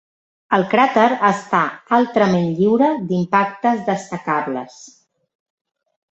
El cràter està altrament lliure d'impactes destacables.